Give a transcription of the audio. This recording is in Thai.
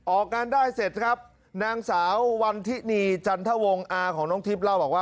ออกงานได้เสร็จครับนางสาววันทินีจันทวงอาของน้องทิพย์เล่าบอกว่า